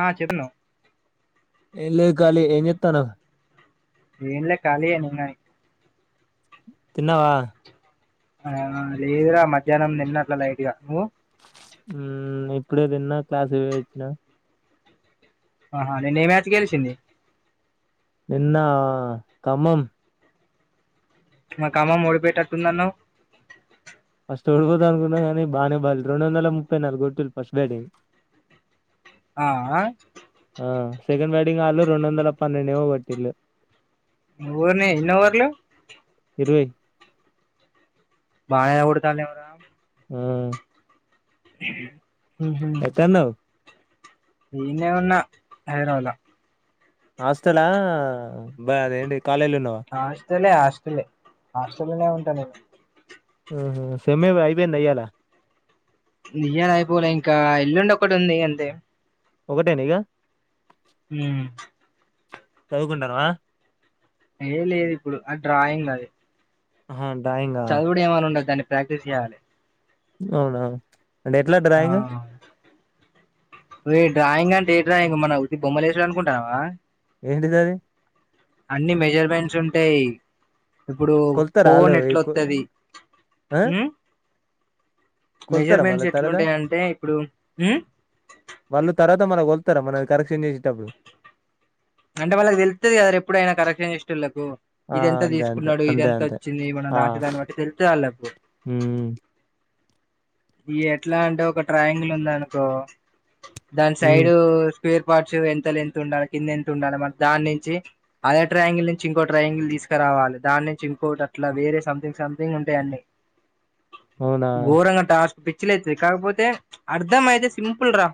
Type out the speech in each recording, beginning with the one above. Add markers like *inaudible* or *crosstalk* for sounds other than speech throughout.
ఆ చేర్రను ఎంలేద్ కాళీయే ఏంచేతనావ్ ఏంలే ఖాళీయేన్నాయి తిన్నావా ఆ అ లేదరా మధ్యాహ్నం తిన్న అట్లా లైట్గ నువ్వు హ్మ్ ఇప్పుడేదిన్న క్లాసుపోయొచ్చిన ఆహా నిన్న ఏ మ్యాచ్ గెలిసింది నిన్న ఖమ్మం మాకామ్మా ఓడిపోటాట్టుందన్నావ్ ఫస్ట్ ఓడిపోతన్నుకున్న కానీ బానే బ రెండు వందల ముప్పై నాలుగు కొట్ ఫస్ట్ బేడంగ్ ఆ ఆ సెకండ్ బ్యాటింగు ఆల్లు రెండు వందల పన్నెండేమో కొట్టిల్లు వని ఇన్నోఓవర్లో ఇరవై బాగ ఉడత లేవరా ఆ ఎక్కడున్నావ్ హ ఈనే ఉన్న హైదరాబాద్ లో హాస్టలా బా అదేంటి కాలేజీలు ఉన్నావా హలే హాస్టల్ హాస్టల్నే ఉంటాను నేను ఆహ సెమ్మె అయిపోంది అయ్యాల ఇయ్యాల అయిపోలే ఇంకా ఎల్లుండి ఒకటి ఉంది అంతే ఒకటేనా ఇగ ఉ చదువుకుంటన్నవా ఏ లేదు ఇప్పుడు ఆ డ్రాయింగ్ల అది హ చదువుడు ఏమని ఉండదు దాన్ని ప్రాక్టీస్ చేయ్యాలి. అవునా అంటే ఎట్లా డ్రాయింగ్ ఓయ్ డ్రాయింగ్ అంటే ఏ డ్రాయింగ్ మన వొట్టి బొమ్మలేసుడు అనుకుంటాన్నావా ఏంటిదది అన్ని మెజర్మెంట్స్ ఉంటయ్ ఇప్పుడు కొలుత్తరా ఆళ్ళు ఫోన్ ఎట్లొత్తది ఆ ఉమ్ కొలుత్తరా మళ్ళ మెజర్మెంట్స్ తర్వాత ఎట్లుంటై అంటే ఇప్పుడు ఉమ్ మల్ల కొతర మరి మన కరెక్షన్ చేసేటప్పుడు అంటే వాళ్లకి తెలుత్తది కదారా ఎప్పుడైనా కరెక్షన్ చేసేటోళ్లకు ఆ ఇది ఎంత అంతే అంతే తీసుకున్నాడు ఇది అంతే ఎంత అంతే వచ్చింది మనం రాసేదాన్ని బట్టి తెలుత్తది వాళ్లకు ఉ ఉ ఇ ఎట్లా అంటే ఒక ట్రయాంగిల్ ఉంది అనుకో దాని ఉమ్ సైడ్ పేర్ పాట్స్ ఎంత లెంత్ ఉండాలి కింద ఎంత ఉండాలి మన దాని నుంచి అదే ట్రయాంగిల్ నుంచి ఇంకో ట్రయాంగిల్ తీసుక్ తీసుకు రావాలి దాన్నుంచి ఇంకోటి అట్లా వేరే సంథింగ్ సంథింగ్ ఉంటై అన్ని అవునా గోరంగ టాస్క్ పిచ్చి లేతది కాకపోతే అర్ధం అయితే సింపుల్ రా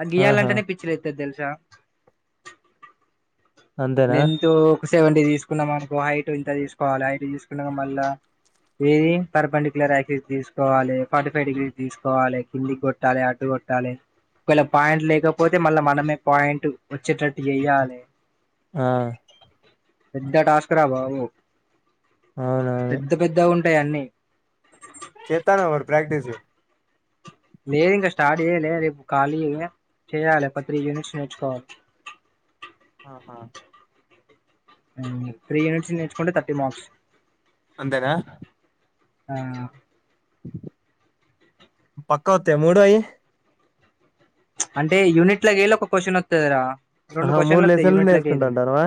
ఆ ఆహా గియాలంటేనే పిచ్చి లేత్తది తెలుసా అంతేనా లెంతు సెవెంటీ తీసుకున్న మనకో హైట్ ఇంత తీసుకోవాలి హైట్ తీసుకున్నాక మళ్ళ ఏది పర్పెండుకులరీస్ థిస్ కోవాలి ఫటి ఫైవ్ డిగ్రీ తీసుకోవాలి కిందికి కొట్టాలి అటు కొట్టాలి ఒకవేళ పాయింట్ లేకపోతే మళ్ళా మనమే పాయింట్ వచ్చేటట్టు ఎయ్యాలే ఆ పెద్ద టాస్క్ రా బాబు అవునవును పెద్ద పెద్దగ ఉంటాయి అన్నీ చేత్తన్నావా మరి ప్రాక్టిస్ లేదు ఇంకా స్టార్ట్ చేయలే రేపు ఖాళీ ఏ చేయాలి ఒక త్రీ యూనిట్స్ నేర్చుకోవాలి ఆహా త్రీ యూనిట్స్ నేర్చుకుంటే థర్టీ మార్క్స్ అంతేనా ఆ పక్కఓత్య ఆ మూడు అయి అంటే యూనిట్ లా ఎల్ ఒక క్వశ్చన్ వత్తది రా రెండు ఆహా మూడు క్వశ్చన్లు వత్తయి లెసన్లు యూనిట్ల కెలి నేర్చుకుంటాంటానవా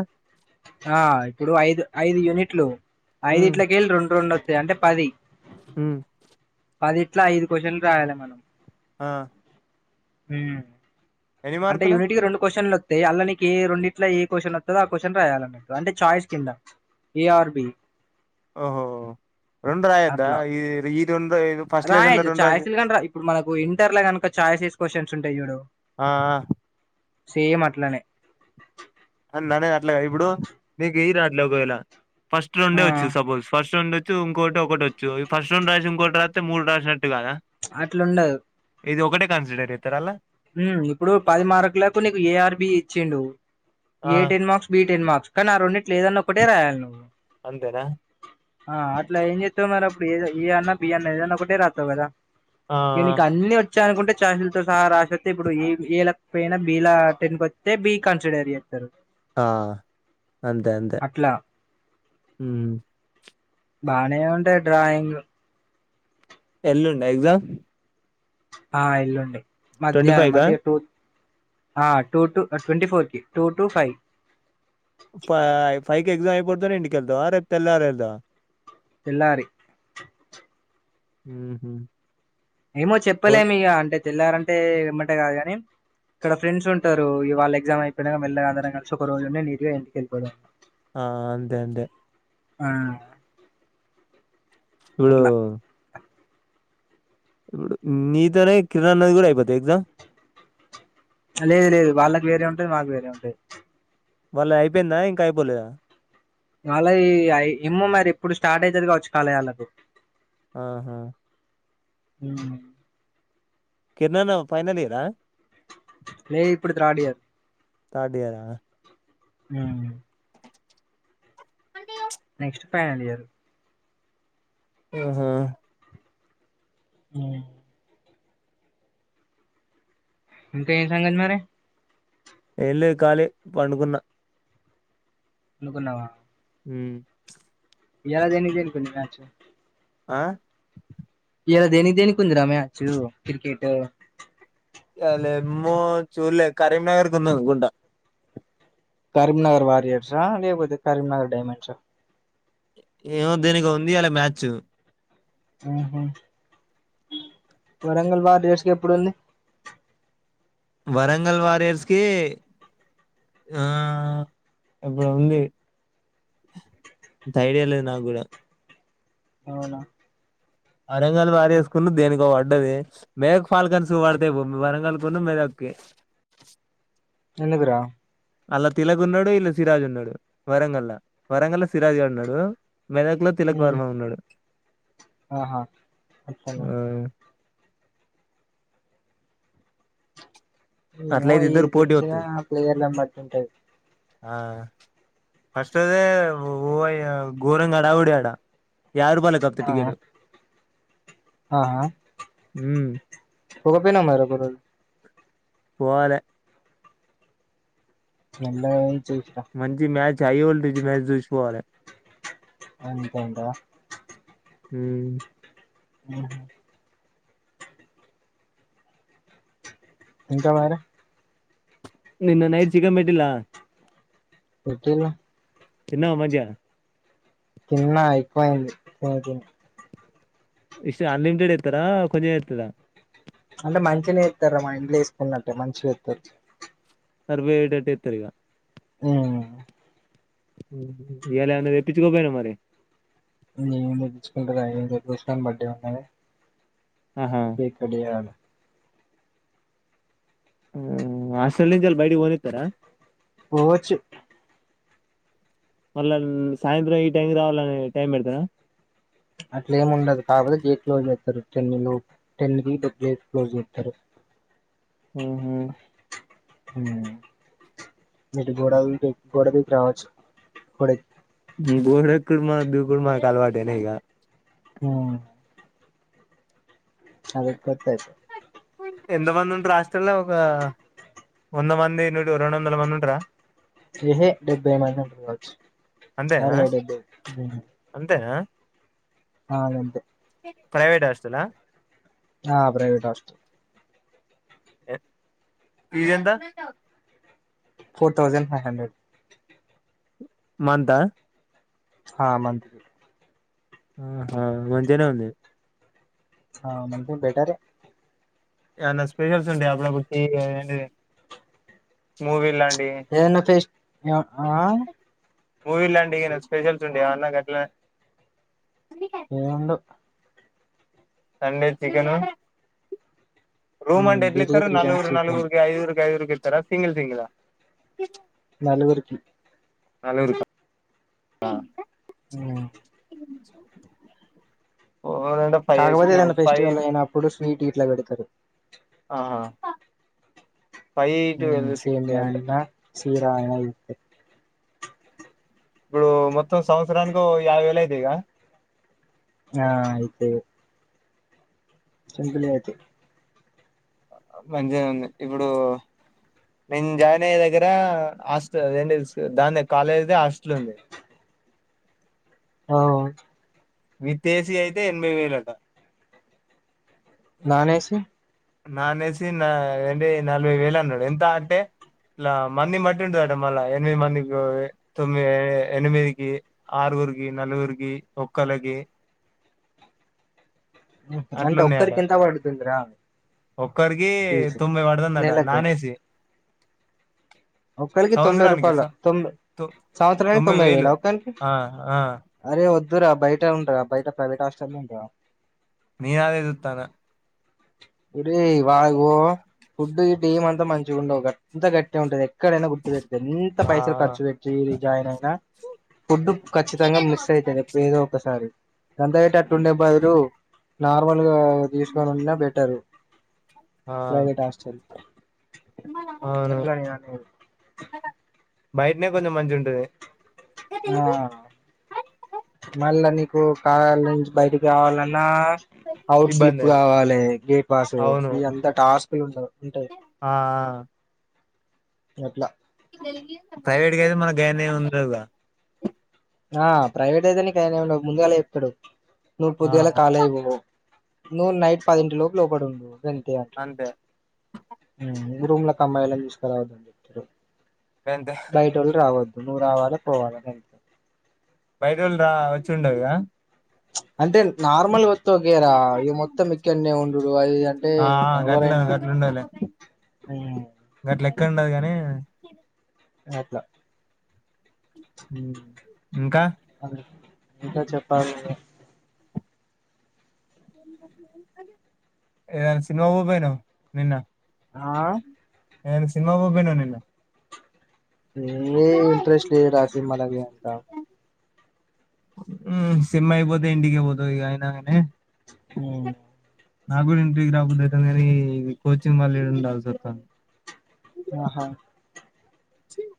ఆ ఇప్పుడు ఐదు ఐదు యూనిట్లు ఐదు ఉమ్ ఇట్లకళ్ళి రెండు రెండు వత్తయి అంటే పది మ్ పది ఇట్లా ఐదు క్వశ్చన్లు రాయాలి మనం ఆ మ్ ఎన్ని అంటే మార్కులు యూనిట్కి రెండు క్వశ్చన్లు దే అళ్ళ నీకు ఏ రెండింట్లా ఏ క్వశ్చన్ వత్తధో ఆ క్వశ్చన్ రాయాల అన్నట్టు ఛాయిస్ కింద ఏఆర్బి ఓహోహో అట్లా ఫస్ట్ లెసన్ లో రాయచ్చు రెండు రాసి ఛాయిస్ లు గను మనకు ఇంటర్ల కనుక చా ప్యాసేజ్ క్యూస్షన్స్ ఉంటాయి చూడు ఆఆ సేమ్ అట్లనే అ నేను అట్ల ఇప్పుడు ఇప్పుడు నీకు ఇయ రా అట్లే ఒకవేళ ఫస్ట్ ఆ రెండో వచ్చు సపోజ ఫస్ట్ రెండు చ్చు ఇంకోటి ఒకటి వచ్చు ఈ ఫస్ట్ రెండు రాసి ఇంకోటి రాతే మూడు రాసినట్టు కదా చ్ అట్లుండదు ఇది ఒకటే కన్సిడర్ చేతర అల్లా మ్ ఇప్పుడు పది మార్కులకు నీకు ఏఆర్బి ఇచ్చిండు. ఆ A ten marks, B ten marks కానీ అ రోన్నిట్లే ఎధాయినా ఒక్కటి రాయాలి నువ్ అంతేనా ఆ అట్లా ఏం చేత్తావు మరి అప్పుడు ఏ అన్నా బి అన్న ఏదన్నా ఒకటే రాత్తావు కదా ఆ ఈయనకు అన్ని వచ్చాయి అనుకుంటే ఛార్జిలతో సహా రాశ ఇప్పుడు ఏ ఏ లేకపోయినా బి లా టెన్క వస్తే బి కన్సిడర్ చేస్తారు. ఆ అంతే అంతే అట్లా మ్ బానే ఉంటాయి డ్రాయింగ్ ఎల్లుండ ఎగ్జామ్? ఆ ఎల్లుండి ట్వంటీ మధ్యాహ్నం ఫైవ్ కా అంటే టూ ఆ టు టు ట్వటి ఫోర్ కి two to five five five క ఎగ్జామ్ అయిపోతేనే ఇంటికెళ్తావా రేపు తెల్లారు వెల్తవ? తేల్లారి ఊహ ఏమో చెప్పలేము ఇగా అంటే తెల్లారంటే ఇమ్మంటే కాదు కాని ఇక్కడ ఫ్రెండ్స్ ఉంటారు ఇవాళ ఎగ్జామ్ అయిపోనక మెల్లగా అందరం కలిసి ఒక రోజు నీట్గా ఇంటికిళ్ళపోవడం. ఆ అంతే అంతే ఆ చూడు అట్లా ఇప్పుడు నీతోనే కిరన్ నది కూడా అయిపోతా ఎగ్జామ్? లేదు లేదు వాళ్ళకి వేరే ఉంటది. మాకు వేరే ఉంటది. వాళ్ళ అయిపోయిందా, ఇంకా అయిపోలేదా? అలై ఐ ఇమ్మో మరి ఇప్పుడు స్టార్ట్ అయితది కావచ్చు కళయళ్ళకు ఆహా హ కిరణన్న ఫైనలియరా లేదు ఇప్పుడు థర్డ్ ఇయర్ థర్డ్ఇయరా మ్ నెక్స్ట్ ఫైనల్ ఇయరు మ్ హ మ్ ఇంకా ఎం సంగతి మరి ఏంలేదు కాళీయే పండుకున్న పండుకున్నావా మ్ ఇయాల దేనికై దేనికి వుంది మ్యాచ్ ఆ ఇయాల దేనికి దేనికి ఉందిరా మ్యాచ్చు క్రికెటు అ లేమ్మో చూళ్లే కరీంనగర్కి ఉందనుకుంట కరీంనగర్ వారయర్స్ ఆ లేపోతే కరీంనగర్ డైమండ్స్ ఆ ఏమో దేనికో ఉంది ఇయాల మ్యాచ్ ఆహ వరంగల్ వారియర్స్కి ఎప్పుడుంది వరంగల్ వారయర్స్కి ఆ ఏప్పుడో ఉంది ఎంతైడియా లేదు నాగ్గూడా అవునా అరంగాల్ వారియర్స్ కూన్ దేనికో పడ్ పడ్డది మెదక్ ఫాల్కన్స్ కు పడతే భూమ్మి వరంగలు కూన్ను మెదక్కి ఎందుకురా అల్లా తిలక్ ఉన్నాడు ఇల్లా సిరాజ్ ఉన్నాడు వరంగల్లా వరంగల్లా సిరాజ్ గాడున్నాడు మెదాక్ లో తిలక ఉమ్ వర్మ ఉన్నాడు ఆహా అట్టానా ఆ ఏమో అట్లయితే ఏది ఇద్దరు పోటీ గెలిచినా వత్తది ప్లేయర్లను బట్టి ఉంటది ఆ ఫస్ట్ దే ఊ అయ్యా గోరంగా హడావుడి ఆడ యాబై రుూపాయలే కాపోతే టికెట్టు ఆహా ఒక పిన్నన్నారు ఒకరోజు వాలే చెండై మంచి మ్యాచ్ హై వొళ్టెజ్ మ్యాచ్ చూసి పోవాలే అంతేంట మ్ మ్ హ్మ్ ఇంకా వేరే నిన్న నైట్ చికన్ పెట్టిల్లా పెట్టిల్లు మంచిగా తిన్నా ఎక్కువయింది అ తిన్ ఇష్ట అన్లిమిటెడ్ ఇత్తరా కొంజమే ఇత్తారా అంటే మంచిగానే ఇత్తర్రా మా ఇంట్లో ఏసుకున్నట్టే మంచిగా వేత్తారు సర్వై ఏడటేత్తారిగా మ్ మ్ ఇయాలేమన్నా తెప్పించుకోపోయినావా మరి *unintelligible* బడ్డే ఉన్నా అన్ని ఆహా పికలియల్ హాస్టల్ నుంచి హాల్లో బయటకి పోనిస్తారా పోవచ్చు మళ్ళా సాయంత్రం ఈ టైం రావాలని టైం పెడతారా అట్లే ఏమి ఉండదు కాకపోతే గేట్ క్లోజ్ చేస్తారు టెన్లో టెన్ కీ బజే క్లోజ జెస్తారు ఉహు ఇటు గోడ గోడ దూకి రావచ్చు గోడ గోడ ఎక్కుడు దికుడు మాకు కాల్వాటేనేగా హ అదే కొట్టాతే ఎంత మంది ఉంటారు హాస్టల్ లో ఒక వంద మంది నూటి ర రెండు వందల మంది ఉంటార ఏహ డెబ్బై మంది ఉండొచ్చు అంతేనా అరే డెబ్బై అంతేనా ఆ రెంట్ ప్రైవేట్ హాస్టల్ ఆ ప్రైవేట్ హాస్టల్ ఫీస్ ఎంత four thousand five hundred month ఆ హా మంత్ ఆహా మంచిగానే ఉంది ఆ మనకు బెటర్ ఏన్న స్పెషల్స్ ఉంటే అప్పుడ బటింటి మూవీ లాంటి ఏమైనా ఫస్ట్ ఆ మూవీ ఇంటిడి స్పెషల్స్ ఉంటాయ అన్న కట్టలే ఏం ఉండవ్ Sunday chicken room and ఎడ్లి weekly ఇతారు త్రీ టైమ్స్ నల్గురు చికెన్ నల్గుర్కి ఐదుర్కి ఐదుర్కి ఇతార సింగల్ సింగల్ నలగురుకి నలుగురు కా ఆ ఉ అంచి కాకపోతే ఏదైనా ఫెస్టివల్ అయిన అప్పుడు స్వీట్ ఇట్లా పెడతారు ఆహా ఫైవ్ ట్వల్వ్ సిక్స్టీ అంతే తీ రాయన ఇతే ఇప్పుడు మొత్తం సంవత్సరన్గ యావ వెల యితే ఈగ ఆ అయితై సింపుల్ అయితై మంచిగానే ఉంది ఇప్పుడు నేను జాయిన్ అయ్యే దగ్గర హాస్టల్ంటి దాని కాలేజ్ దే హాస్టల్ ఉంది ఓ విత్సి ఏసీ అయితే ఎనభై వేలుట నాన్ ఏసీ నానేసి నా ఏంటి నలభై వేలు అన్నాడు ఎంత అంటే ఇలా మంది మట్టి ఉంటుందిడ మళ్ళా ఎనిమిది మందికి, తొమ్మిది, ఎనిమిదికి ఆరు ర్గి నలుగురిగి, ఒక్కలగి అంటే ఒక్కరికి ఎంత పడుతుందరా? ఒక్కర్గి తుమ్ వాడదందట నాన్ఏసి ఒక్కలికి తొంభై సంవత్సరానికి రూపాయల స- తొంబై తొ- సంవత్సరానికి తొంభై వేల ఒక్కనికి ఆ ఆ అరేద్ దురా బయటే ఉంటద బయట ప్రైవేట్ హాస్పిటల్ ఉంటద నేనుదేదు తాను ఇరి వాళ ఫుడ్ డేమ్ అంతా మంచిగా ఉండవుంతా గట్టి ఉంటది ఇక్కడనా గుర్తు పెట్ది ఎంత ఆ పైసలు ఖర్చు పెట్టి రి జాయిన్ అయినా ఫుడ్ ఖచ్చితంగా మిస్ అయితదిప్పుడు ఏదో ఒకసారి ఎంత అట అట్టు ఉండే బదురు నార్మల్ గా తీసుకని ఉండే బెటరు ఆ ప్రైవేట్ హస్టల్ అవును నక్కలానిని బయటనే కొంచం మంచి ఉం ఆ మల్లని కు కాలాల నుంచి బయటకి కావాలన్నా అఔట్ ఇబ్బంది స్లిప్ కావాలి గేట్ పాస్ అవును ఇ అంతా టాస్క్లు ఉంట ఉంటాయి. ఆ అట్లా ప్రైవేట్గా అయితే మన గాయినే ఉందిగా ఆ ప్రైవేట్ అయితేని కాయ ఏ ముందుగా లేపుతాడు. నుూవు ఆ పొద్దిగాల కాలు అయి పోవు నువ్వు నైట్ పదింటి లోపు లోపడి ఉండవు. ఏ అట్ల అంతే రూమ్ల కి అమ్మాయిలాని తీసుకురావద్దండి ఇద్దరు. గంతే బయట వాళ్ళు రావద్దు నువ్వు రావాలా, పోవాలని అంతే బైటోళ రా వచ్చిండవుగా అంటే నార్మలుగా వత్తే ఒకే రా ఇ మొత్తం ఇక్కనేే ఉండుడు అది అంటే ఎవరైనా అందే లె ఆ ఎక్కండే గాని ఏద్ద ఇంకా అదే ఇంకా చెప్పాలని ఏదనా సినిమా పోపోయిను నిన్న ఆ నేను సినిమాక్ పొకపొయినవ్ నిన్న ఏ ఇంటరెస్ట్ లేద్ రా సినిమాల మీదంత ఉమ్ సినిమా అయిపోతే ఇంటికె పోతా ఇగ అయినంటె ఉ నా కూడా ఇంటికి రాబూద్దీ అయితుంది కానీ, ఈ కోచింగ్ వళ్ళ ఇడ ఉండాల్సి వస్తుంది. ఆహా చ్చివ్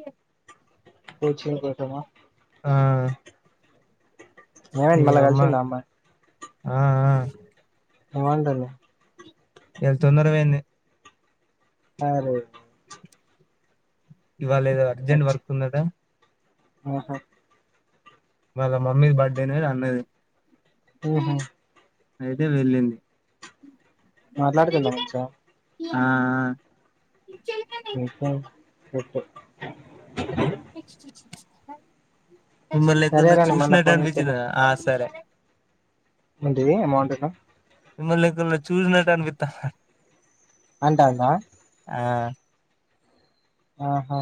ఏ కోచింగ్ పోదమా? ఆ ఈ ఏమైంది మళ్ళా అమ్మ కలిసిందా అమ్మాయి? ఆ ఆ బాగుంటది ఇయళ తొందర పోయింది అరే ఇవాళ ఏదో అర్జెంట్ అచ్చ వర్క్ ఉందట ఆహా వాళ్ళ మమ్మీదీ బర్త్డేనే అన్నది ఉహు అయితే వెళ్ళింది మాట్లాడుతుంద మంచీగ ఆ ఆ ఇంకా చెప్పు మిమ్మల్నీ ఎక్ననొ సరేరా నేను మళ్ళా చూసినట్ ఫోన్ అనిపించింది ఆ సరే ఎంటిది ఏమో అంటున్నవ్ మిమ్మల్నీ ఎక్కనొ చూసినట్టు అనిపితా అంటుందా ఆ ఆహా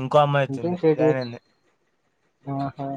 ఇంకో అమ్మాయి ఇంకేం వచ్చింది చేటివి జాయిన్ అయింది ఆహా